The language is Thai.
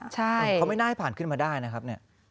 ใช่เขาไม่น่าให้ผ่านขึ้นมาได้นะครับเนี่ย